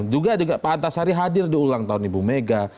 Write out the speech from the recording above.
juga pak antasari hadir di ulang tahun ibu mega